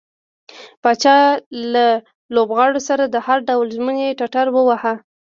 پاچا له لوبغاړو سره د هر ډول ژمنې ټټر واوهه.